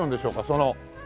その。